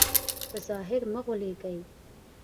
په ظاهر مه غولېږئ.